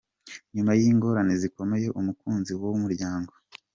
Nyuma y’ingorane zikomeye umukunzi wa umuryango.